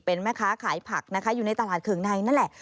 เป็นแม่ค้าขายผักนะคะอยู่ในตลาดเคืองในนั่นแหละ